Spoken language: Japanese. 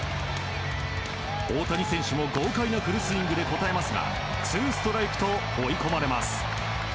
大谷選手も豪快なフルスイングで応えますがツーストライクと追い込まれます。